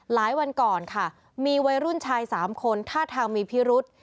วันก่อนค่ะมีวัยรุ่นชาย๓คนท่าทางมีพิรุษ